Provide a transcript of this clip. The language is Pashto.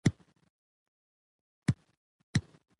جرګمارو جبار ته ووېل: موږ ستا غوښتنه وارېده.